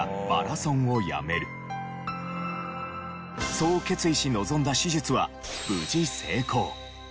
そう決意し臨んだ手術は無事成功。